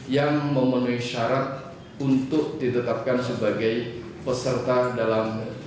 yang memenuhi syarat untuk ditetapkan sebagai peserta dalam